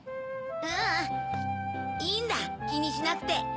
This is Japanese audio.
ううんいいんだきにしなくて。